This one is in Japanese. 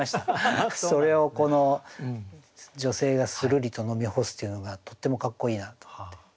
それをこの女性がするりと飲み干すというのがとってもかっこいいなと思って。